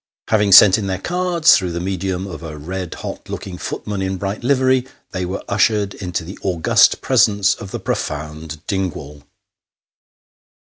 Having sent in their cards, through the medium of a red hot looking footman in bright livery, they were ushered into the august presence of the profound Dingwall.